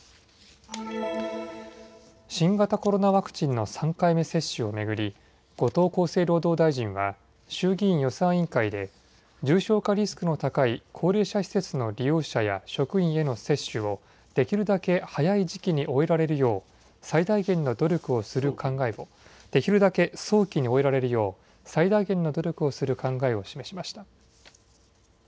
新型コロナワクチンの３回目接種を巡り、後藤厚生労働大臣は、衆議院予算委員会で、重症化リスクの高い高齢者施設の利用者や、職員への接種を、できるだけ早い時期に終えられるよう、最大限の努力をする考えを、できるだけ早期に終えられるよう、最大限の努力をする考えを示しました。